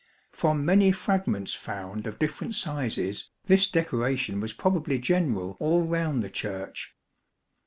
From many fragments found of different sizes, this decora tion was probably general all round the Church.